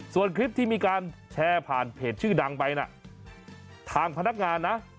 ส่วนคลิปที่มีการแชร์ผ่านเพจชื่อดังไปนะทางพนักงานนะ